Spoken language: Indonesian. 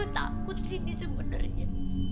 takut sini sebenernya